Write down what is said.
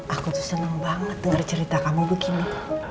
aku tuh seneng banget denger cerita kamu begini